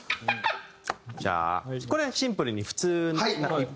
じゃあこれはシンプルに普通な。